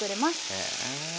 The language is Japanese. へえ。